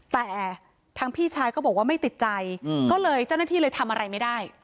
แต่ทางพี่ชายก็บอกว่าไม่ติดใจก็เลยเจ้าหน้าที่เลยทำอะไรไม่ได้